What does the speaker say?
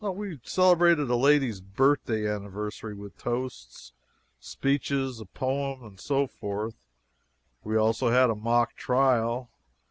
We celebrated a lady's birthday anniversary with toasts, speeches, a poem, and so forth. We also had a mock trial.